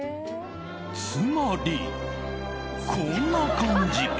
つまり、こんな感じ。